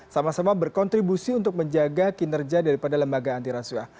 sama sama berkontribusi untuk menjaga kinerja daripada lembaga antiraswa